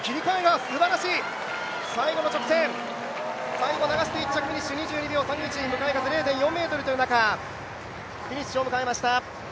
最後、流して１着にフィニッシュ、２２秒３１、向かい風０．４メートルという中フィニッシュを迎えました。